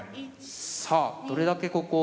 さあどれだけここを。